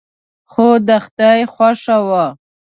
خو د خدای خوښه وه.